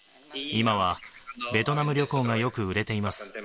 今はベトナム旅行がよく売れています。